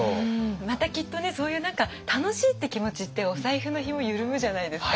またきっとねそういう楽しいって気持ちってお財布のひも緩むじゃないですか。